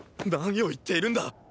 何を言っているんだ！